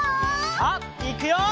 さあいくよ！